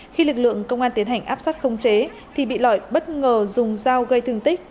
khi lực lượng công an tiến hành áp sát khống chế thì bị lợi bất ngờ dùng dao gây thương tích